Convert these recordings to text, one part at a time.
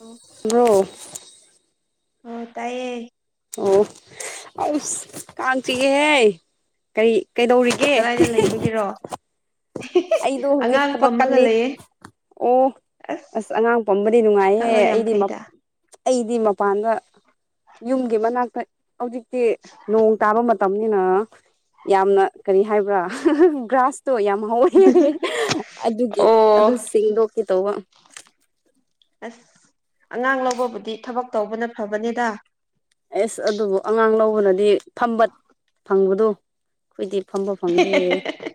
ꯑꯣ ꯔꯣ ꯑꯣ ꯇꯥꯏꯌꯦ ꯑꯣ ꯑꯁ ꯀꯥꯟꯆꯤꯛꯢꯍꯦ ꯀꯩ ꯑꯁ ꯀꯩꯗꯧꯔꯤꯒꯦ ꯀꯗꯥꯏꯗ ꯂꯩꯕꯒꯤꯔꯣ ꯑꯩꯗꯨ ꯍꯧꯖꯤꯛ ꯑꯉꯥꯡ ꯄꯝꯃꯒ ꯊꯕꯛꯀꯜꯂꯤ ꯂꯩꯌꯦ ꯑꯣ ꯑꯁ ꯑꯉꯥꯡ ꯄꯝꯕꯗꯤ ꯅꯨꯡꯉꯥꯏꯍꯦ ꯊꯕꯛ ꯌꯥꯝ ꯑꯩꯗꯤ ꯐꯩꯗ ꯑꯩꯗꯤ ꯃꯄꯥꯟꯗ ꯌꯨꯝꯒꯤ ꯃꯅꯥꯛꯇ ꯍꯧꯖꯤꯛꯇꯤ ꯅꯣꯡ ꯇꯥꯕ ꯃꯇꯝꯅꯤ ꯅꯤꯅ ꯌꯥꯝꯅ ꯀꯔꯤ ꯍꯥꯏꯕ꯭ꯔꯥ [unintelligible] ꯒ꯭ꯔꯥꯁꯇ ꯌꯥꯝ ꯍꯧꯌꯦ [unintelligible] ꯑꯗꯨꯒꯤ ꯑꯗꯨ ꯑꯣ ꯁꯦꯡꯗꯣꯛꯀꯦ ꯇꯧꯕ ꯑꯁ ꯑꯉꯥꯡ ꯂꯧꯕꯕꯨꯗꯤ ꯊꯕꯛ ꯇꯧꯕꯅ ꯐꯕꯅꯤꯗ ꯑꯦꯁ ꯑꯗꯨꯕꯨ ꯑꯉꯥꯡ ꯂꯧꯕꯅꯗꯤ ꯐꯝꯕ ꯐꯪꯕꯗꯣ ꯑꯩꯈꯣꯏꯗꯤ ꯐꯝꯕ ꯐꯪꯗꯦ ꯍꯦꯍꯦꯍꯦ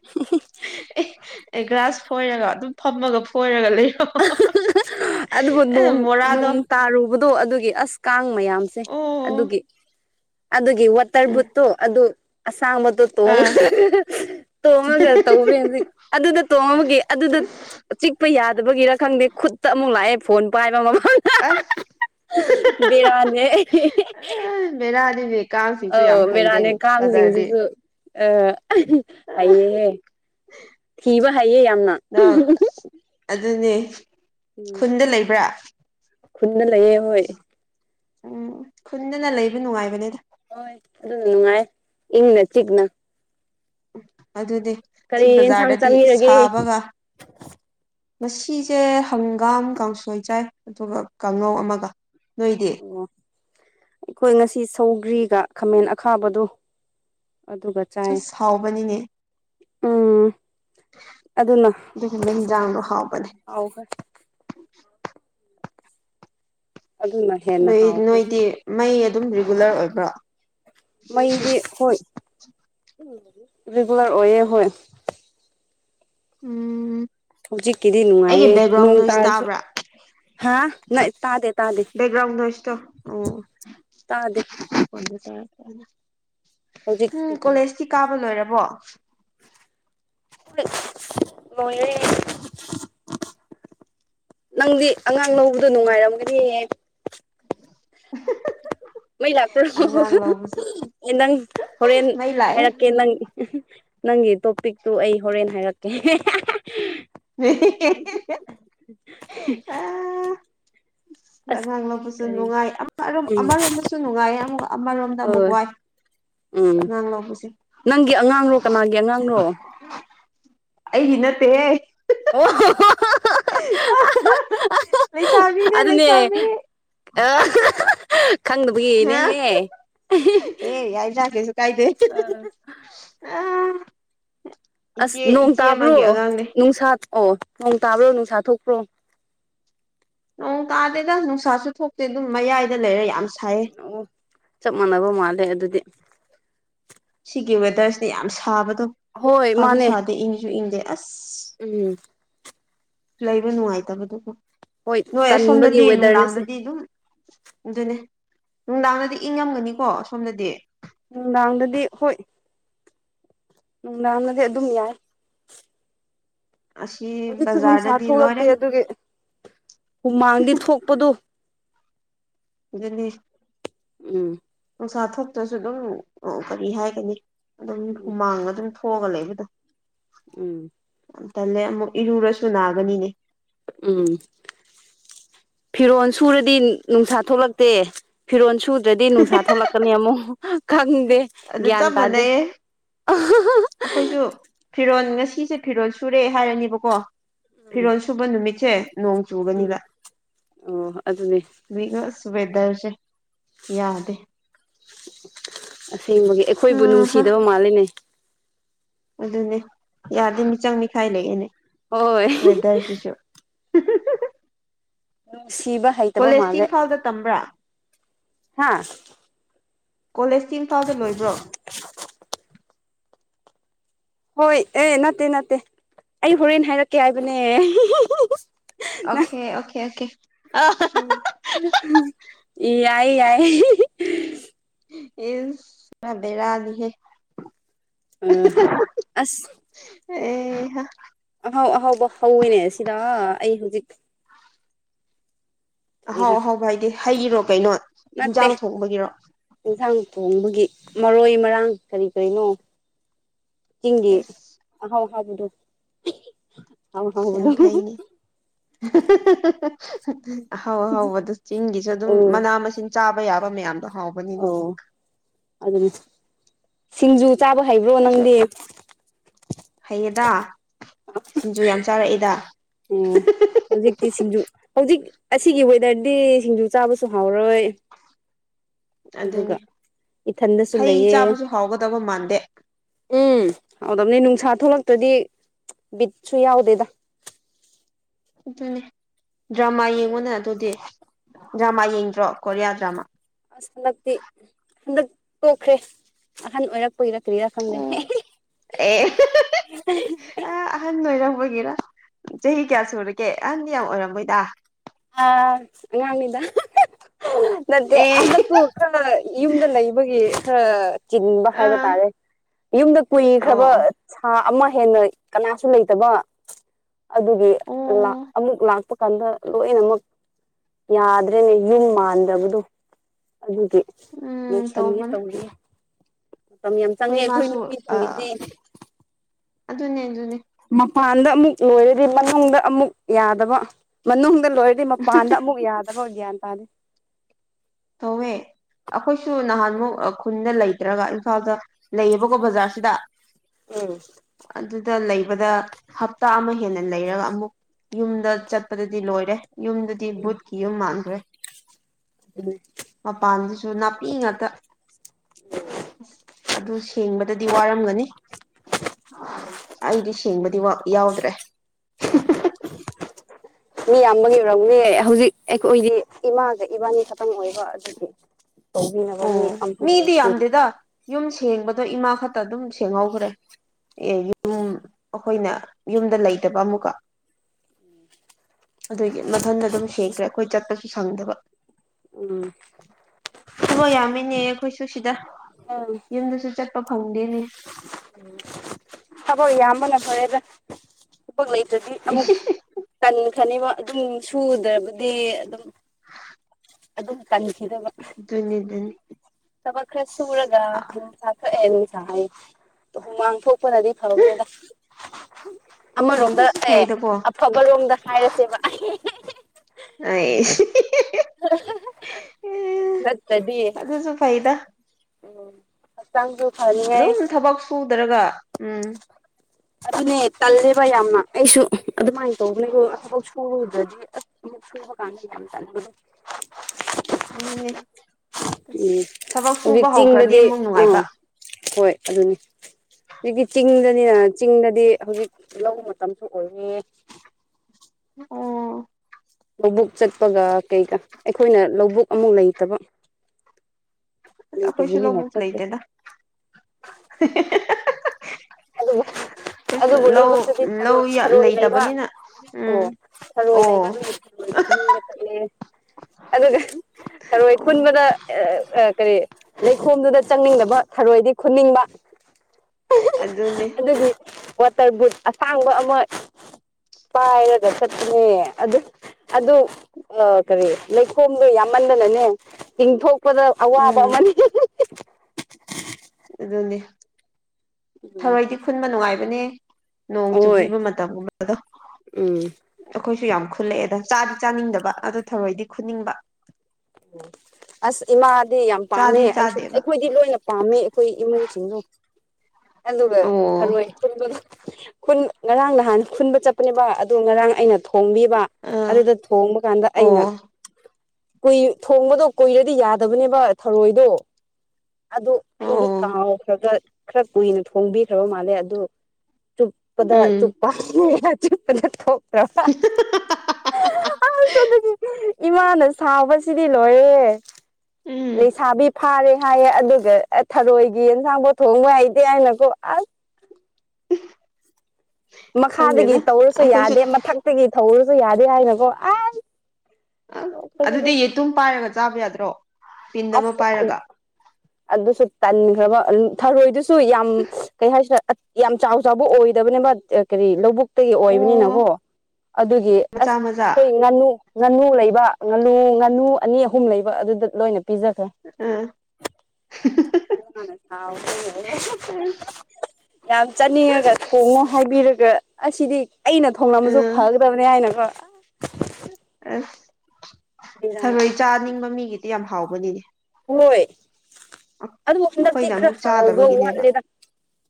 ꯑꯦ ꯑꯦ ꯒ꯭ꯂꯥꯁ ꯐꯣꯏꯔꯒ ꯑꯗꯨꯝ ꯐꯝꯃꯒ ꯐꯣꯏꯔꯒ ꯂꯩꯔꯣ [unintelligible] ꯑꯗꯨꯕꯨ ꯑꯦ ꯅꯣꯡ ꯃꯣꯔꯥꯗꯣ ꯅꯣꯡ ꯇꯥꯔꯨꯕꯗꯣ ꯑꯗꯨꯒꯤ ꯑꯁ ꯀꯥꯡ ꯃꯌꯥꯝꯁꯦ ꯑꯣ ꯑꯗꯨꯒꯤ ꯑꯗꯨꯒꯤ ꯎꯝ ꯑꯣꯠꯇꯔꯕꯨꯠꯇꯨ ꯑꯗꯨ ꯑꯁꯥꯡꯕꯗꯣ ꯑꯥ ꯇꯣꯡꯉꯒ ꯇꯣꯡꯉꯒ ꯇꯧꯕꯅꯦ ꯍꯧꯖꯤꯛ ꯑꯗꯨꯗ ꯇꯣꯡꯉꯨꯕꯒꯤ ꯑꯗꯨꯗ ꯆꯤꯛꯄ ꯌꯥꯗꯕꯒꯤꯔ ꯈꯪꯗꯦ ꯈꯨꯠꯇ ꯑꯃꯨꯛ ꯂꯥꯛꯑꯦ ꯐꯣꯟ ꯄꯥꯏꯕ ꯃꯃꯥꯡ-꯭- ꯑꯁ [unintelligible] ꯕꯤꯔꯥꯅꯦ ꯑꯩ ꯑꯁ ꯕꯦꯔꯥꯅꯤꯅꯦ ꯀꯥꯟ ꯑ ꯕꯦꯔꯥꯅꯦ ꯀꯥꯡꯁꯤꯡꯁꯤꯁꯨ ꯑ [unintelligible] ꯍꯩꯌꯦꯍꯦ ꯊꯤꯕ ꯍꯩꯌꯦ ꯌꯥꯝꯅ ꯅꯪ ꯑꯗꯨꯅꯦ ꯎꯝ ꯈꯨꯟꯗ ꯂꯩꯕ꯭ꯔꯥ ꯈꯨꯟꯗ ꯂꯩꯌꯦ ꯍꯣꯏ ꯎꯝ ꯈꯨꯟꯗꯅ ꯂꯩꯕ ꯅꯨꯡꯉꯥꯏꯕꯅꯦꯗ ꯍꯣꯏ ꯑꯗꯨꯅ ꯅꯨꯡꯉꯥꯏ ꯏꯪꯅ ꯆꯤꯛꯅ ꯑꯗꯨꯗꯤ ꯀꯔꯤ ꯁꯤ ꯌꯦꯟꯁꯥꯡ ꯕꯖꯥꯔꯗꯗꯤ ꯆꯥꯕꯤꯔꯒꯦ ꯁꯥꯕꯒ ꯉꯁꯤꯁꯦ ꯍꯪꯒꯥꯝ ꯀꯥꯡꯁꯣꯏ ꯆꯥꯏ ꯑꯗꯨꯒ ꯀꯥꯡꯉꯧ ꯑꯃꯒ ꯅꯣꯏꯗꯤ ꯑꯣ ꯑꯩꯈꯣꯏ ꯉꯁꯤ ꯁꯧꯒ꯭ꯔꯤꯒ ꯈꯥꯃꯦꯟ ꯑꯈꯥꯕꯗꯣ ꯑꯗꯨꯒ ꯆꯥꯏ ꯑꯁ ꯍꯥꯎꯕꯅꯤꯅꯦ ꯎꯝ ꯑꯗꯨꯒꯨꯝꯕ ꯍꯤꯡꯖꯡꯗꯣ ꯍꯥꯎꯕꯅꯦ ꯑꯧꯕꯅꯦ ꯑꯗꯨꯅ ꯍꯦꯟꯅ ꯗꯨꯢ ꯍꯥꯎꯈ꯭ꯔꯦ ꯅꯣꯏꯗꯤ ꯃꯩ ꯑꯗꯨꯝ ꯔꯤꯒꯨꯂꯔ ꯑꯣꯏꯕ꯭ꯔꯥ ꯃꯩꯗꯤ ꯍꯣꯏ ꯔꯤꯒꯨꯂꯔ ꯑꯣꯏꯌꯦ ꯍꯣꯏ ꯎꯝ ꯍꯧꯖꯤꯛꯀꯤꯗꯤ ꯑꯩꯒꯤ ꯅꯨꯡꯉꯥꯏꯌꯦ ꯕꯦꯛꯒ꯭ꯔꯥꯎꯟ ꯅꯣꯡ ꯅꯣꯏꯁ ꯇꯥꯔꯁꯨ ꯇꯥꯕ꯭ꯔꯥ ꯍꯥ ꯅ ꯇꯥꯗꯦ ꯇꯥꯗꯦ ꯕꯦꯛꯒ꯭ꯔꯥꯎꯟ ꯅꯣꯏꯁꯇꯣ ꯑꯣ ꯇꯥꯗꯦ [unintelligible] ꯍꯧꯖꯤꯛꯇꯤ ꯎꯝ ꯇꯥꯗꯦ ꯀꯣꯂꯦꯖꯇꯤ ꯀꯥꯕ ꯂꯣꯏꯔꯕꯣ? ꯂꯣꯏꯔꯦ ꯅꯪꯗꯤ ꯑꯉꯥꯡ ꯂꯧꯕꯗꯣ ꯅꯨꯡꯉꯥꯏꯔꯝꯒꯅꯤꯍꯦ [inaudible] ꯃꯩ ꯂꯥꯛꯇ꯭ꯔꯁꯨ ꯑꯉꯥꯡ ꯂꯧꯕꯁꯨ ꯅꯪ ꯍꯣꯔꯦꯟ ꯃꯩ ꯂꯥꯛꯑꯦ ꯍꯥꯏꯔꯛꯀꯦ ꯅꯪ ꯅꯪꯒꯤ ꯇꯣꯄꯤꯛꯇꯨ ꯑꯩ ꯍꯣꯔꯦꯟ ꯍꯥꯏꯔꯛꯀꯦ꯫ [inaudible] [inaudible] ꯑꯁ ꯑꯉꯥꯡ ꯂꯧꯕꯁꯨ ꯀꯔꯤ ꯅꯨꯡꯉꯥꯏ ꯑꯃꯔꯣꯝ ꯎꯝ ꯑꯃꯔꯣꯝꯗꯁꯨ ꯅꯨꯡꯉꯥꯏ ꯑꯃꯨꯛ ꯑꯃꯔꯣꯝꯗ ꯑꯃꯨꯛ ꯍꯣꯏ ꯋꯥꯏ꯫ ꯑꯁ ꯎꯝ ꯑꯉꯥꯡ ꯂꯧꯕꯁꯦ ꯅꯪꯒꯤ ꯑꯉꯥꯡꯔꯣ ꯀꯅꯥꯒꯤ ꯑꯉꯥꯡꯅꯣ? ꯑꯩꯒꯤ ꯅꯠꯇꯦꯍꯦ꯫ ꯑꯣ ꯍꯣ ꯍꯣ ꯂꯩꯁꯥꯕꯤꯅꯦ ꯑꯗꯨꯅꯦ ꯂꯩꯁꯥꯕꯤ꯫ ꯑ ꯈꯪꯗꯕꯒꯤꯅꯦꯍꯦ ꯑ ꯑ ꯑꯁ ꯅꯣꯡ ꯇꯥꯕ꯭ꯔꯣ ꯅꯨꯡꯁꯥ ꯑꯣ ꯅꯣꯡ ꯇꯥꯕ꯭ꯔꯣ ꯅꯨꯡꯁꯥ ꯊꯣꯛꯄ꯭ꯔꯣ? ꯅꯣꯡ ꯇꯥꯗꯦꯗ ꯅꯨꯡꯁꯥꯁꯨ ꯊꯣꯛꯇꯦ ꯑꯗꯨꯝ ꯃꯌꯥꯏꯗ ꯂꯩꯔꯦ ꯌꯥꯝ ꯁꯥꯏꯌꯦ꯫ ꯑꯣ ꯆꯞ ꯃꯥꯟꯅꯕ ꯃꯥꯜꯂꯦ ꯑꯗꯨꯗꯤ꯫ ꯁꯤꯒꯤ ꯋꯦꯗꯔꯁꯤꯗꯤ ꯌꯥꯝ ꯁꯥꯕꯗꯣ ꯍꯣꯏ ꯁꯥꯁꯨ ꯃꯥꯅꯦ ꯁꯥꯗꯦ ꯏꯪꯁꯨ ꯏꯪꯗꯦ ꯑꯁ꯫ ꯎꯝ ꯂꯩꯕ ꯅꯨꯡꯉꯥꯏꯇꯕꯗꯨꯀ ꯍꯣꯏ ꯅꯣꯏ ꯇꯟꯕꯒꯤ ꯑꯁꯣꯝꯗꯗꯤ ꯋꯦꯗꯔꯅꯦꯁꯦ ꯅꯨꯡꯗꯥꯡꯗꯗꯤ ꯑꯗꯨꯝ ꯑꯗꯨꯅꯦ ꯅꯨꯡꯗꯥꯡꯗꯗꯤ ꯏꯪꯉꯝꯒꯅꯤꯀꯣ ꯁꯣꯝꯗꯗꯤ꯫ ꯅꯨꯡꯗꯥꯡꯗꯗꯤ ꯍꯣꯏ ꯅꯨꯡꯗꯥꯡꯗꯗꯤ ꯑꯗꯨꯝ ꯑꯁ ꯌꯥꯏ꯫ ꯑꯁꯤ ꯍꯧꯖꯤꯛꯁꯨ ꯅꯨꯡꯁꯥ ꯕꯖꯥꯔꯗꯗꯤ ꯊꯣꯛꯂꯛꯇꯦ ꯂꯣꯏꯔꯦ ꯑꯗꯨꯒꯤ ꯍꯨꯃꯥꯡꯗꯤ ꯊꯣꯛꯄꯗꯨ꯫ ꯑꯗꯨꯅꯤ ꯎꯝ ꯅꯨꯡꯁꯥ ꯊꯣꯛꯇ꯭ꯔꯁꯨ ꯑꯗꯨꯝ ꯀꯔꯤ ꯍꯥꯏꯒꯅꯤ ꯑꯗꯨꯝ ꯍꯨꯃꯥꯡ ꯑꯗꯨꯝ ꯊꯣꯛꯑꯒ ꯂꯩꯕꯗꯣ꯫ ꯎꯝ ꯌꯥꯝ ꯇꯜꯂꯦ ꯑꯃꯨꯛ ꯏꯔꯨꯔꯁꯨ ꯅꯥꯒꯅꯤꯅꯦ꯫ ꯎꯝ ꯐꯤꯔꯣꯜ ꯁꯨꯔꯗꯤ ꯅꯨꯡꯁꯥ ꯊꯣꯛꯂꯛꯇꯦ꯫ ꯐꯤꯔꯣꯜ ꯁꯨꯗ꯭ꯔꯗꯤ ꯅꯨꯡꯁꯥ ꯊꯣꯛꯂꯛꯀꯅꯤ ꯑꯃꯨꯛ ꯈꯪꯗꯦ ꯑꯗꯨ ꯒ꯭ꯌꯥꯟ ꯆꯞ ꯄꯥꯗꯦ꯫ ꯃꯥꯟꯅꯩꯌꯦ ꯑꯩꯈꯣꯏꯁꯨ ꯐꯤꯔꯣꯜ ꯉꯁꯤꯁꯦ ꯐꯤꯔꯣꯜ ꯁꯨꯔꯦ ꯍꯥꯏꯔꯅꯤꯕꯀꯣ ꯎꯝ ꯐꯤꯔꯣꯜ ꯁꯨꯕ ꯅꯨꯃꯤꯠꯁꯦ ꯅꯣꯡ ꯎꯝ ꯆꯨꯒꯅꯤꯕ ꯑꯣ ꯑꯗꯨꯅꯤ꯫ ꯋꯦꯠꯅꯁ ꯋꯦꯗꯔꯁꯦ ꯌꯥꯗꯦ꯫ ꯑꯁꯦꯡꯕꯒꯤ ꯑꯩꯈꯣꯏꯕꯨ ꯑꯍ ꯅꯨꯡꯁꯤꯗꯕ ꯃꯥꯜꯂꯤꯅꯦ꯫ ꯑꯗꯨꯅꯦ ꯌꯥꯗꯦ ꯃꯤꯆꯪ ꯃꯤꯈꯥꯏ ꯂꯩꯌꯦꯅꯦ ꯍꯣꯏ ꯋꯦꯗꯔꯁꯤꯁꯨ꯫ [unintelligible] ꯅꯨꯡꯁꯤꯕ ꯍꯩꯇꯕ ꯀꯣꯂꯦꯖꯇꯤ ꯃꯥꯂꯦ ꯏꯝꯐꯥꯜꯗ ꯇꯝꯕ꯭ꯔꯥ ꯍꯥ꯫ ꯀꯣꯂꯦꯖꯇꯤ ꯏꯝꯐꯥꯎꯗ ꯂꯣꯏꯕ꯭ꯔꯣ? ꯍꯣꯏ ꯑꯦ ꯅꯠꯇꯦ ꯅꯠꯇꯦ ꯑꯩ ꯍꯣꯔꯦꯟ ꯍꯥꯏꯔꯛꯀꯦ ꯍꯥꯏꯕꯅꯦ꯫ ꯅꯪ ꯑꯣꯀꯦ ꯑꯣꯀꯦ ꯑꯣꯀꯦ ꯏ ꯌꯥꯏ ꯌꯥꯏ꯫ ꯏꯁ ꯄꯨꯔꯥ ꯕꯦꯔꯥꯅꯤꯍꯦ꯫ ꯑ ꯑꯁ ꯑꯦꯍ [unintelligible] ꯑꯍꯥꯎ ꯑꯍꯥꯎꯕ ꯍꯧꯋꯤꯅꯦ ꯁꯤꯗ ꯑꯩ ꯍꯧꯖꯤꯛ ꯀꯔꯤꯔꯥ ꯑꯍꯥꯎ ꯑꯍꯥꯎꯕ ꯍꯥꯏꯗꯤ ꯍꯩꯔꯣ ꯀꯩꯅꯣ ꯍꯤꯟꯖꯥꯡ ꯊꯣꯡꯕꯒꯤꯔꯣ꯫ ꯑꯦꯟꯁꯥꯡ ꯊꯣꯡꯕꯒꯤ ꯃꯔꯣꯏ ꯃꯔꯥꯡ ꯀꯔꯤ ꯀꯔꯤꯅꯣ ꯆꯤꯡꯒꯤ ꯑꯦꯁ ꯑꯥꯍꯥꯎ ꯑꯍꯥꯎꯕꯗꯨ꯫ ꯏꯁ ꯌꯥꯝ ꯐꯥꯏꯅꯦ꯫ ꯑꯍꯥꯎ ꯑꯍꯥꯎꯕꯗꯣ ꯆꯤꯡꯒꯤꯁꯨ ꯑꯗꯨꯝ ꯑꯣ ꯃꯅꯥ ꯃꯁꯤꯡ ꯆꯥꯕ ꯌꯥꯕ ꯃꯌꯥꯝꯗꯣ ꯍꯥꯎꯕꯅꯤꯅꯦ꯫ ꯑꯣ ꯑꯗꯨꯗ ꯁꯤꯡꯖꯨ ꯆꯥꯕ ꯍꯩꯕ꯭ꯔꯣ ꯑꯩꯁꯨ ꯅꯪꯗꯤ ꯍꯩꯌꯦꯗ ꯁꯤꯡꯖꯨ ꯌꯥꯝ ꯆꯥꯔꯛꯏꯗ ꯎꯝ ꯍꯧꯖꯤꯛꯇꯤ ꯁꯤꯡꯖꯨ ꯍꯧꯖꯤꯛ ꯑꯁꯤꯒꯤ ꯋꯦꯗꯔꯗꯤ ꯁꯤꯡꯖꯨ ꯆꯥꯕꯁꯨ ꯍꯥꯎꯔꯣꯏ ꯑꯗꯨꯒ ꯑꯗꯨꯅꯤ ꯏꯊꯟꯗꯁꯨ ꯍꯩ ꯂꯩꯌꯦ ꯆꯥꯕꯁꯨ ꯍꯥꯎꯒꯗꯕ ꯃꯥꯟꯗꯦ ꯎꯝ ꯍꯗꯕꯅꯦ ꯅꯨꯡꯁꯥ ꯊꯣꯛꯂꯛꯇ꯭ꯔꯗꯤ ꯕꯤꯠꯁꯨ ꯌꯥꯎꯗꯦꯗ ꯑꯗꯨꯅꯦ ꯗ꯭ꯔꯃꯥ ꯌꯦꯡꯉꯣꯅꯦ ꯑꯗꯨꯗꯤ ꯗ꯭ꯔꯃꯥ ꯌꯦꯡꯗ꯭ꯔꯣ ꯀꯣꯔꯤꯌꯥ ꯗ꯭ꯔꯃꯥ ꯑꯁ ꯍꯟꯗꯛꯇꯤ ꯍꯟꯗꯛ ꯇꯣꯛꯈ꯭ꯔꯦ ꯑꯍꯟ ꯑꯣꯏꯔꯛ [unintelligible] ꯑꯣ ꯑꯦ ꯑ ꯑꯍꯟ ꯑꯣꯏꯔꯝꯕꯒꯤꯔ ꯆꯍꯤ ꯀꯌꯥ ꯁꯨꯔꯒꯦ ꯑꯍꯟ ꯌꯥꯝ ꯑꯣꯏꯔꯝꯕꯣꯏꯗ ꯑꯉꯥꯡꯅꯤꯗ ꯅꯠꯇꯦ ꯑꯦ ꯃꯁꯛꯇꯨ ꯈꯔ ꯌꯨꯝꯗ ꯂꯩꯕꯒꯤ ꯈꯔ ꯆꯤꯟꯕ ꯍꯥꯏꯕ ꯑꯥ ꯇꯥꯔꯦ ꯌꯨꯝꯗ ꯑꯣ ꯀꯨꯏꯈ꯭ꯔꯕ ꯑꯣ ꯊꯥ ꯑꯃ ꯍꯦꯟꯅ ꯀꯅꯥꯁꯨ ꯂꯩꯇꯕ ꯑꯗꯨꯒꯤ ꯑꯣ ꯑꯃꯨꯛ ꯂꯥꯛꯄ ꯀꯥꯟꯗ ꯂꯣꯏꯅꯃꯛ ꯌꯥꯗ꯭ꯔꯦꯅꯦ ꯌꯨꯝ ꯃꯥꯟꯗꯕꯗꯣ ꯑꯗꯨꯒꯤ ꯎꯝ ꯂꯣꯏꯁꯟꯒꯦ ꯇꯧꯕꯅꯦ ꯇꯧꯒ ꯃꯇꯝ ꯌꯥꯝ ꯆꯪꯉꯦ ꯍꯣꯏ ꯑꯩꯈꯣꯏ ꯃꯥꯁꯨ ꯑ ꯅꯨꯄꯤꯁꯤꯡꯒꯤꯗꯤ ꯑꯗꯨꯅꯦ ꯑꯗꯨꯅꯦ ꯃꯄꯥꯟꯗ ꯑꯃꯨꯛ ꯂꯣꯏꯔꯗꯤ ꯃꯅꯨꯡꯗ ꯑꯃꯨꯛ ꯌꯥꯗꯕ ꯃꯅꯨꯡꯗ ꯂꯣꯏꯔꯗꯤ ꯃꯄꯥꯟꯗ ꯑꯃꯨꯛ ꯌꯥꯗꯕꯥ ꯒꯌ꯭ꯥꯟ ꯇꯥꯗꯦ ꯇꯧꯋꯦ ꯑꯩꯈꯣꯏꯁꯨ ꯅꯍꯥꯟꯃꯨꯛ ꯈꯨꯟꯗ ꯂꯩꯇ꯭ꯔꯕ ꯏꯝꯐꯥꯜꯗ ꯂꯩꯌꯦꯕꯀꯣ ꯕꯖꯥꯔꯁꯤꯗ ꯎꯝ ꯑꯗꯨꯗ ꯂꯩꯕꯗ ꯍꯞꯇꯥ ꯑꯃ ꯍꯦꯟꯅ ꯂꯩꯔꯒ ꯑꯃꯨꯛ ꯌꯨꯝꯗ ꯆꯠꯄꯗꯗꯤ ꯂꯣꯏꯔꯦ ꯌꯨꯝꯗ ꯎꯝ ꯎꯝ ꯎꯝ ꯃꯄꯥꯟꯗꯨꯁꯨ ꯅꯥꯄꯤ ꯉꯥꯛꯇ ꯑꯗꯨ ꯁꯦꯡꯕꯗꯗꯤ ꯋꯥꯔꯝꯒꯅꯤ ꯎꯝ ꯑꯩꯗꯤ ꯁꯦꯡꯕꯗꯤ ꯋꯛ ꯌꯥꯎꯗ꯭ꯔꯦ ꯍꯝꯍꯝ ꯃꯤ ꯌꯥꯝꯕꯒꯤ ꯑꯣꯏꯔꯝꯅꯦ ꯍꯧꯖꯤꯛ ꯑꯩꯈꯣꯏꯗꯤ ꯏꯃꯥꯒ ꯏꯕꯥꯅꯤ ꯈꯛꯇꯪ ꯑꯣꯏꯕ [unintelligible] ꯑꯣ ꯃꯤ ꯑꯝꯐꯥꯎ ꯃꯤꯗꯤ ꯂꯩꯇꯦ ꯌꯥꯝꯗꯦꯗ ꯌꯨꯝ ꯁꯦꯡꯕꯗꯣ ꯏꯃꯥ ꯈꯛꯇ ꯑꯗꯨꯝ ꯁꯦꯡꯍꯧꯈ꯭ꯔꯦ ꯑꯦ ꯌꯨꯝ ꯑꯈꯣꯏꯅ ꯌꯨꯝꯗ ꯂꯩꯇꯕ ꯑꯃꯨꯛꯀ ꯎꯝ ꯑꯗꯨꯒꯤ ꯃꯊꯟꯗ ꯑꯗꯨꯝ ꯁꯦꯡꯈ꯭ꯔꯦ ꯑꯩꯈꯣꯏ ꯆꯠꯄꯁꯨ ꯁꯪꯗꯕ ꯎꯝ ꯊꯕꯛ ꯌꯥꯝꯃꯤꯅꯦ ꯑꯈꯣꯏꯁꯨ ꯁꯤꯗ ꯎꯝ ꯌꯨꯝꯗꯁꯨ ꯆꯠꯄ ꯐꯪꯗꯦꯅꯦ ꯎꯝ ꯊꯕꯛ ꯌꯥꯝꯕꯅ ꯐꯔꯦꯗ ꯊꯕꯛ ꯂꯩꯇ꯭ꯔꯗꯤ ꯑꯃꯨꯛ ꯇꯟꯈ꯭ꯔꯅꯤꯕ ꯑꯗꯨꯝ ꯁꯨꯗ꯭ꯔꯕꯗꯤ ꯑꯗꯨꯝ ꯑꯗꯨꯝ ꯇꯟꯈꯤꯗꯕ ꯗꯨꯅꯤ ꯗꯨꯅꯤ ꯊꯕꯛ ꯈ꯭ꯔ ꯁꯨꯔꯒ ꯅꯨꯡꯁꯥ ꯊꯣꯛꯑꯦ ꯅꯨꯡꯁꯥ ꯍꯥꯏꯌꯦ ꯍꯨꯃꯥꯡ ꯊꯣꯛꯄꯅꯗꯤ ꯐꯕꯅꯦꯗ ꯑꯃꯔꯣꯝꯗ ꯑꯗꯨꯁꯨ ꯑꯦ ꯐꯩꯗꯀꯣ ꯑꯐꯕꯔꯣꯝꯗ ꯍꯥꯏꯔꯁꯦꯕ ꯑꯩꯍꯦꯍꯦ [unintelligible] ꯅꯠꯇꯗꯤ ꯑꯗꯨꯁꯨ ꯐꯩꯗ ꯎꯝ ꯆꯪꯖꯨ ꯐꯅꯤ ꯑꯗꯨꯝ ꯊꯕꯛ ꯁꯨꯗꯔꯒ ꯎꯝ ꯑꯗꯨꯅꯦ ꯇꯜꯂꯦꯕ ꯌꯥꯝꯅ ꯑꯩꯁꯨ ꯑꯗꯨꯃꯥꯏꯅ ꯇꯧꯕꯅꯦꯒꯣ ꯑ ꯊꯕꯛ ꯁꯨꯔꯨꯗ꯭ꯔꯗꯤ ꯑꯁ ꯑꯃꯨꯛ ꯁꯨꯕꯀꯥꯟꯗ ꯌꯥꯝ ꯇꯟꯕꯗꯣ ꯑꯗꯨꯅꯦ ꯑꯁ ꯎꯝ ꯊꯕꯛ ꯁꯨꯕ ꯍꯧꯖꯤꯛ ꯍꯧꯈ꯭ꯔꯗꯤ ꯆꯤꯡꯗꯗꯤ ꯑꯃꯨꯛ ꯑꯥ ꯅꯨꯡꯉꯥꯏꯕ ꯍꯣꯏ ꯑꯗꯨꯅꯤ ꯖꯤꯛꯇꯤ ꯆꯤꯡꯗꯅꯤꯅ ꯆꯤꯡꯗꯗꯤ ꯍꯧꯖꯤꯛ ꯂꯧ ꯃꯇꯝꯁꯨ ꯑꯣꯏꯔꯦ ꯑꯣ ꯂꯧꯕꯨꯛ ꯆꯠꯄꯒ ꯀꯩꯒ ꯑꯩꯈꯣꯏꯅ ꯂꯧꯕꯨꯛ ꯑꯃꯨꯛ ꯂꯩꯇꯕ ꯑꯁ ꯑꯩꯈꯣꯏꯁꯨ ꯂꯩꯇꯕꯅꯤꯅ ꯂꯧꯕꯨꯛ ꯆꯠꯇꯦ [unintelligible] ꯑꯗꯨꯕꯨ ꯑꯩꯈꯣꯏꯁꯨ ꯑꯗꯨꯕꯨ ꯂꯧ ꯂꯧꯕꯨꯛꯇꯗꯤ ꯂꯧ ꯊꯔꯣꯏ ꯊꯔꯣꯏ ꯂꯩꯕ ꯂꯩꯇꯕꯅꯤꯅ ꯎꯝ ꯑꯣ ꯊꯔꯣꯏ ꯑꯣ ꯂꯩꯕ ꯗꯨꯒꯤ ꯔꯣꯏ ꯈꯨꯟꯕ ꯆꯠꯂꯦ ꯑꯗꯨꯒ ꯊꯔꯣꯏ ꯑꯣ ꯈꯨꯟꯕꯗ ꯑꯦꯌ ꯑ ꯀꯔꯤ ꯂꯩꯈꯣꯝꯗꯨꯗ ꯆꯪꯅꯤꯡꯗꯕ ꯊꯔꯣꯏꯗꯤ ꯈꯨꯟꯅꯤꯡꯕ ꯑꯗꯨꯅꯦ ꯇꯨꯗꯤ ꯋꯥꯇꯔ ꯕꯨꯠ ꯑꯁꯥꯡꯕ ꯑꯃ ꯄꯥꯏꯔꯒ ꯆꯠꯄꯅꯦ ꯑꯗꯨ ꯑꯗꯨ ꯑ ꯀꯔꯤ ꯂꯩꯈꯣꯝꯗꯣ ꯌꯥꯝꯃꯟꯗꯅꯅꯦ ꯇꯤꯡꯊꯣꯛ ꯄꯗ ꯑꯋꯥꯕ ꯎꯝ ꯑꯃꯅꯤ ꯑꯗꯨꯅꯦ ꯎꯝ ꯊꯔꯣꯏꯗꯤ ꯈꯨꯟꯕ ꯅꯨꯡꯉꯥꯏꯕꯅꯦ ꯅꯣꯡ ꯍꯣꯏ ꯆꯨꯕꯤꯕ ꯃꯇꯝꯒꯨꯝꯕꯗꯣ ꯎꯝ ꯑꯈꯣꯏꯁꯨ ꯌꯥꯝ ꯈꯨꯜꯂꯛꯑꯦꯗ ꯆꯥꯗꯤ ꯆꯥꯅꯤꯡꯗꯕ ꯑꯗꯨ ꯊꯔꯣꯏꯗꯤ ꯈꯨꯟꯅꯤꯡꯕ ꯑꯁ ꯏꯃꯥꯗꯤ ꯌꯥꯝ ꯄꯥꯝꯃꯦ ꯆꯥꯗꯤ ꯑꯩꯁꯨ ꯆꯥꯗꯦꯕ ꯑꯩꯈꯣꯏꯗꯤ ꯂꯣꯏꯅ ꯄꯥꯝꯃꯦ ꯑꯩꯈꯣꯏ ꯏꯃꯨꯡꯁꯤꯡꯅꯣ ꯑꯗꯨꯒ ꯑꯣ ꯊꯔꯣꯏ ꯈꯨꯟꯕꯒ ꯈꯨꯟ ꯉꯔꯥꯡ ꯅꯍꯥꯟ ꯈꯨꯟꯕ ꯆꯠꯄꯅꯦꯕ ꯑꯗꯣ ꯉꯔꯥꯡ ꯑꯩꯅ ꯊꯣꯡ ꯊꯣꯡꯕꯤꯕ ꯑꯥ ꯑꯗꯨꯗ ꯊꯣꯡꯕ ꯀꯥꯟꯗ ꯑꯣ ꯑꯩꯅ ꯀꯨꯏ ꯊꯣꯡꯕꯗꯣ ꯀꯨꯏꯔꯗꯤ ꯌꯥꯗꯕꯅꯦꯕ ꯊꯧꯔꯣꯏꯗꯣ ꯑꯗꯨ ꯑꯩꯗꯤ ꯑꯣ ꯀꯥꯎꯈꯔꯒ ꯀꯨꯏꯅ ꯊꯣꯡꯕꯤꯈ꯭ꯔꯕ ꯃꯥꯜꯂꯦ ꯑꯗꯨ ꯆꯨꯞꯄꯗ ꯎꯝ ꯆꯨꯞꯄ [unintelligible] ꯆꯨꯞꯄꯗ ꯊꯣꯛ [unintelligible] ꯏꯃꯥꯅ ꯁꯥꯎꯕꯁꯤꯗꯤ ꯂꯣꯏꯔꯦ ꯎꯝ ꯂꯩꯁꯥꯕꯤ ꯐꯥꯔꯦ ꯍꯥꯏꯌꯦ ꯑꯗꯨꯒ ꯊꯔꯣꯏꯒꯤ ꯌꯦꯟꯁꯥꯡꯐꯥꯎ ꯊꯣꯡꯕ ꯍꯩꯇꯦ ꯍꯥꯏꯅꯀꯣ ꯑꯁ ꯃꯈꯥꯗꯒꯤ ꯈꯪꯗꯦꯗ ꯇꯧꯔꯁꯨ ꯑꯩꯈꯣꯏꯁꯨ ꯌꯥꯗꯦ ꯃꯊꯛꯇꯒꯤ ꯊꯧꯔꯁꯨ ꯌꯥꯗꯦ ꯍꯥꯏꯅꯀꯣ ꯑꯁ ꯑ ꯅꯣꯛꯄꯁꯤꯗꯤ ꯑꯗꯨꯗꯤ ꯌꯦꯇꯨꯝ ꯄꯥꯏꯔꯒ ꯆꯥꯕ ꯌꯥꯗ꯭ꯔꯣ ꯄꯤꯟ ꯑꯃ ꯑꯁ ꯄꯥꯏꯔꯒ ꯑꯗꯨꯁꯨ ꯇꯟꯈ꯭ꯔꯕ ꯊꯔꯣꯏꯗꯨꯁꯨ ꯁꯨ ꯌꯥꯝ ꯀꯩ ꯍꯥꯏꯁꯤꯔꯦ ꯌꯥꯝ ꯆꯥꯎ ꯆꯥꯎꯕ ꯑꯣꯏꯗꯕꯅꯤꯕ ꯀꯔꯤ ꯂꯧꯕꯨꯛ ꯇꯒꯤ ꯑꯣ ꯑꯣꯏꯕꯅꯤꯅꯀꯣ ꯑꯗꯨꯒꯤ ꯃꯆꯥ ꯑꯁ ꯃꯆꯥ ꯑꯩꯈꯣꯏ ꯉꯥꯅꯨ ꯉꯥꯅꯨ ꯂꯩꯕ ꯉꯥꯅꯨ ꯉꯥꯅꯨ ꯑꯅꯤ ꯑꯍꯨꯝ ꯂꯩꯕ ꯑꯗꯨꯗ ꯂꯣꯏꯅ ꯄꯤꯖꯈ꯭ꯔꯦ ꯑꯥ ꯌꯨꯝ ꯍꯥꯟꯅ ꯁꯥꯍꯧꯕꯒꯤ ꯑꯩ ꯌꯥꯝ ꯆꯠꯅꯤꯡꯉꯒ ꯊꯣꯡꯉꯣ ꯍꯥꯏꯕꯤꯔꯒ ꯑꯁꯤꯗꯤ ꯑꯩꯅ ꯊꯣꯡꯂ ꯑꯃꯁꯨ ꯎꯝ ꯐꯒꯗꯕꯅ‌ꯦ ꯍꯥꯏꯅꯀꯣ ꯑꯁ ꯕꯤꯔꯥꯅꯤ ꯊꯔꯣꯏ ꯆꯥꯅꯤꯡꯕ ꯃꯤꯒꯤꯗꯤ ꯌꯥꯝ ꯍꯥꯎꯕꯅꯤꯅꯦ ꯍꯣꯏ ꯑꯗꯨꯕꯨ ꯍꯟꯗꯛꯇꯤ ꯑꯩꯈꯣꯏꯅ ꯑꯃꯨꯛ ꯈꯔ ꯍꯥꯎꯕ ꯆꯥꯗꯕꯒꯤꯅꯦꯕ ꯋꯥꯠꯂꯦꯗ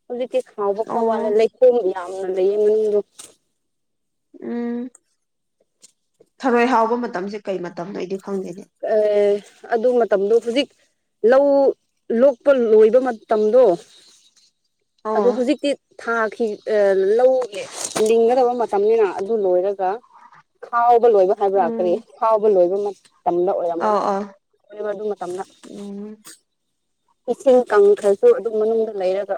ꯍꯧꯖꯤꯛꯇꯤ ꯍꯥꯎꯕ ꯈꯔ ꯑꯣ ꯋꯥꯠꯂꯦ ꯂꯩ ꯈ‌ꯣꯏ ꯌꯥꯝꯅ ꯂꯩꯌꯦ ꯃꯤꯗ‌ꯣ ꯎꯝ ꯊꯔꯣꯏ ꯍꯥꯎꯕ ꯃꯇꯝꯁꯦ ꯀꯩ ꯃꯇꯝꯅꯣ ꯑꯩꯗꯤ ꯈꯪꯗꯦꯅꯦ ꯑꯦ ꯑꯗꯨ ꯃꯇꯝꯗꯣ ꯍꯨꯖꯤꯛ ꯂꯧ ꯂꯣꯛꯄ ꯂꯣꯏꯕ ꯃꯇꯝꯗꯣ ꯑꯣ ꯑꯗꯣ ꯍꯧꯖꯤꯛꯇꯤ ꯊꯥꯈꯤ ꯑ ꯂꯧꯒꯤ ꯂꯤꯡꯒꯗꯕ ꯃꯇꯝꯅꯤꯅ ꯑꯗꯨ ꯂꯣꯏꯔꯒ ꯈꯥꯎꯕ ꯂꯣꯏꯕ ꯍꯥꯏꯕ꯭ꯔ ꯎꯝ ꯀꯔꯤ ꯈꯥꯎꯕ ꯂꯣꯏꯕ ꯃ ꯇꯝꯗ ꯑꯣꯏꯔꯝꯒꯅꯤ ꯑꯧ ꯑꯧ ꯍ‌ꯣꯏ ꯑꯗꯨ ꯃꯇꯝꯗ ꯎꯝ ꯏꯁꯤꯡ ꯀꯪꯈ꯭ꯔꯁꯨ ꯑꯗꯨꯝ ꯃꯅꯨꯡꯗ ꯂꯩꯔꯒ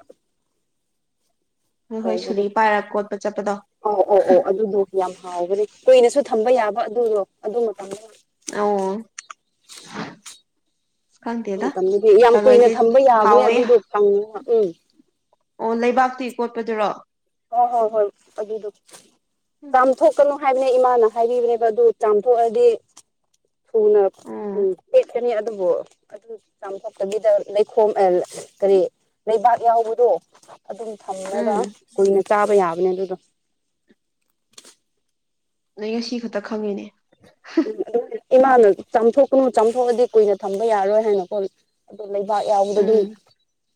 ꯅꯈꯣꯏ ꯇꯧꯕꯗ‌ꯣ ꯁꯨꯔꯤ ꯄꯥꯏꯔ ꯀꯣꯠꯄ ꯆꯠꯄꯗꯣ ꯑ ꯑꯣ ꯑꯣ ꯑꯗꯨꯗ‌ꯣ ꯌꯥꯝ ꯍꯥꯎꯕꯅꯤ ꯀꯨꯏꯅꯁꯨ ꯊꯝꯕ ꯌꯥꯕ ꯑꯗꯨꯗꯣ ꯑꯗꯨ ꯃꯇꯝꯗ‌ꯣ ꯑ‌ꯣ ꯈꯪꯗꯦꯗ ꯃꯇꯝꯗꯨꯗꯤ ꯌꯥꯝ ꯀꯨꯏꯅ ꯊꯔꯣꯏꯁꯤ ꯊꯝꯕ ꯌꯥꯕꯅꯦ ꯍꯥꯎꯋꯦ ꯑꯗꯨꯗꯣ ꯀꯪꯉꯒ ꯎꯝ ꯑꯣ ꯂꯩꯕꯥꯛꯇꯤ ꯀꯣꯠꯄꯗꯨꯔꯣ ꯍ‌ꯣ ꯍꯣꯏ ꯍꯣꯏ ꯑꯗꯨꯗ‌ꯣ ꯆꯥꯝꯊꯣꯛꯀꯅꯣ ꯍꯥꯏꯕꯅꯦ ꯏꯃꯥꯅ ꯍꯥꯏꯕꯤꯕꯅꯦꯕ ꯑꯗꯨ ꯆꯥꯝꯊꯣꯛꯑꯗꯤ ꯊꯨꯅ ꯎꯝ ꯄ‌ꯦꯠꯀꯅꯤ ꯑꯗꯨꯕꯨ ꯆꯥꯝꯊꯣꯛꯇꯕꯤꯗ ꯂꯩꯈꯣꯝ ꯑ ꯀꯔꯤ ꯂꯩꯕꯥꯛ ꯌꯥꯎꯕꯗꯣ ꯑꯗꯨꯝ ꯊꯝꯃꯒ ꯎꯝ ꯀꯨꯏꯅ ꯆꯥꯕ ꯌꯥꯕꯅꯦ ꯑꯗꯨꯗꯣ ꯅꯣꯏ ꯉꯁꯤ ꯈꯛꯇ ꯈꯪꯉꯤꯅꯦ ꯎꯝ ꯏꯃꯥꯅ ꯆꯥꯝꯊꯣꯛꯀꯅꯨ ꯆꯥꯝꯊꯣꯛꯑꯗꯤ ꯀꯨꯏꯅ ꯊꯝꯕ ꯌꯥꯔꯣꯏ ꯍꯥꯏꯅꯀꯣ ꯑꯗꯨ ꯂꯩꯕꯥꯛ ꯌꯥꯎꯕꯗ‌ꯣ ꯗꯨꯏ ꯎꯝ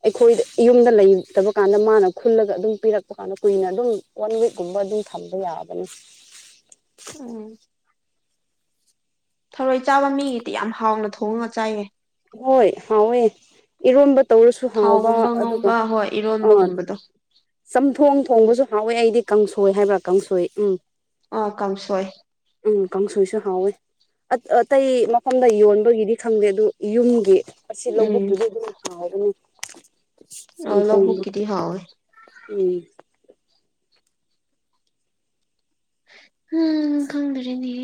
ꯑꯩꯈꯣꯏꯗ ꯌꯨꯝꯗ ꯂꯩꯇꯕ ꯀꯥꯟꯗ ꯃꯥꯅ ꯈꯨꯜꯂꯒ ꯑꯗꯨꯝ ꯄꯤꯔꯛꯄ ꯐꯅ ꯀꯨꯏꯅ ꯑꯗꯨꯝ ꯋꯥꯟ ꯋꯤꯛꯀꯨꯝꯕ ꯑꯗꯨꯝ ꯊꯝꯕ ꯌꯥꯕꯅꯤ ꯎꯝ ꯊꯔꯣꯏ ꯆꯥꯕ ꯃꯤꯒꯤꯗꯤ ꯌꯥꯝ ꯍꯥꯎꯅ ꯊꯣꯡꯉꯒ ꯆꯥꯏꯌꯦ ꯍꯣꯏ ꯍꯥꯎꯋ‌ꯦ ꯏꯔꯣꯟꯕ ꯇꯧꯔꯁꯨ ꯍꯥꯎꯕ ꯊꯥꯎꯒꯨꯝꯕ ꯑꯗꯨꯒ ꯉꯧꯕ ꯍꯣꯏ ꯑꯥ ꯏꯔꯣꯟꯕꯒꯨꯝꯕꯗꯣ ꯆꯝꯊꯣꯡ ꯊꯣꯡꯕꯁꯨ ꯍꯥꯎꯋꯦ ꯑꯩꯗꯤ ꯀꯥꯡꯁꯣꯏ ꯍꯥꯏꯕ ꯀꯥꯡꯁꯣꯏ ꯎꯝ ꯑ ꯀꯥꯡꯁꯣꯏ ꯎꯝ ꯀꯥꯡꯁꯣꯏꯁꯨ ꯍꯥꯎꯋ‌ꯦ ꯑ ꯑꯇꯩ ꯃꯐꯝꯗ ꯌꯣꯟꯕꯒꯤꯗꯤ ꯈꯪꯗꯦ ꯑꯗꯨ ꯌꯨꯝꯒꯤ ꯑꯁꯤ ꯎꯝ ꯂꯧꯕꯨꯛꯇꯨꯗꯤ ꯑꯗꯨꯝ ꯍꯥꯎꯕꯅ‌ꯦ ꯑꯁ ꯑ ꯆꯝꯊ‌ꯣꯡꯗ ꯂꯧꯕꯨꯛꯀꯤꯗꯤ ꯍꯥꯎꯋꯦ [unintelligible] ꯎꯝ ꯎꯝ ꯈꯪꯗ꯭ꯔꯦꯅꯦ